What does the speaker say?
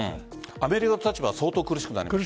アメリカの立場相当、苦しくなりますね。